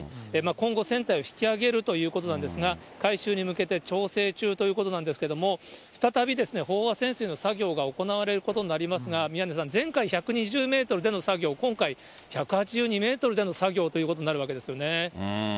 今後、船体を引き揚げるということなんですが、回収に向けて調整中ということなんですけれども、再び飽和潜水の作業が行われることになりますが、宮根さん、前回１２０メートルでの作業、今回、１８２メートルでの作業ということになるわけですよね。